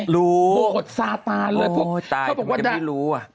รู้โบกฏซาตานเลยโอ้ยตายทำไมจะไม่รู้อ่ะ